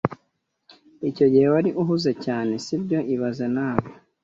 Icyo gihe wari uhuze cyane, si byo ibaze nawe